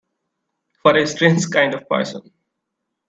What a strange kind of person!